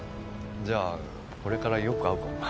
じゃあこれからよく会うかもな。